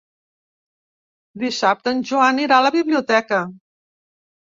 Dissabte en Joan irà a la biblioteca.